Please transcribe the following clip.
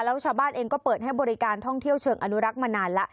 แล้วชาวบ้านเองก็เปิดให้บริการท่องเที่ยวเชิงอนุรักษ์มานานแล้ว